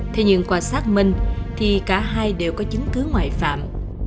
thế nhưng qua xác minh thì cả hai đều có chứng cứ ngoại phạm